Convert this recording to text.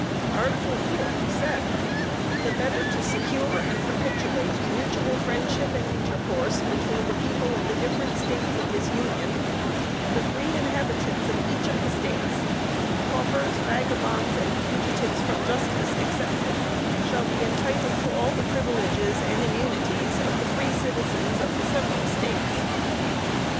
Article 4th said: "The better to secure and perpetuate mutual friendship and intercourse between the people of the different States of this Union, the free inhabitants of each of the States, (paupers, vagabonds and fugitives from justice excepted,) shall be entitled to all the privileges and immunities of the free citizens of the several States."